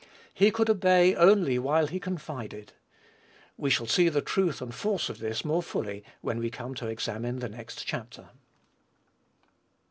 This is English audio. He could obey only while he confided. We shall see the truth and force of this more fully when we come to examine the next chapter.